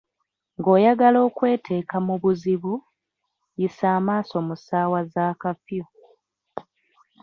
Ng'oyagala okweteeka mu buzibu, yisa amaaso mu ssaawa za kafyu.